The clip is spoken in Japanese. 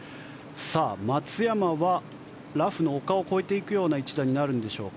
さあ、松山はラフの丘を越えていくような一打になるんでしょうか。